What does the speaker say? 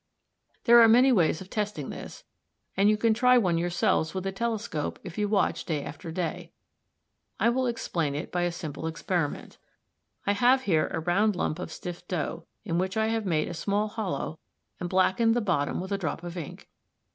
There are many ways of testing this, and you can try one yourselves with a telescope if you watch day after day. I will explain it by a simple experiment. I have here a round lump of stiff dough, in which I have made a small hollow and blackened the bottom with a drop of ink.